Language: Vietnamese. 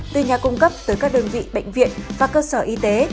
từ nhà cung cấp tới các đơn vị bệnh viện và cơ sở y tế